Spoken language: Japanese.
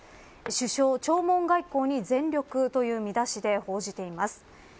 首相、弔問外交に全力という見出しで報じています。